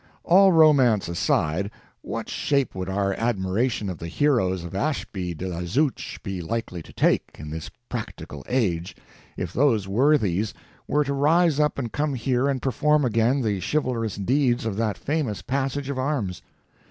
All romance aside, what shape would our admiration of the heroes of Ashby de la Zouch be likely to take, in this practical age, if those worthies were to rise up and come here and perform again the chivalrous deeds of that famous passage of arms?